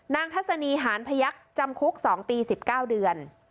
ทัศนีหานพยักษ์จำคุก๒ปี๑๙เดือน